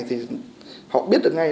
thì họ biết được ngay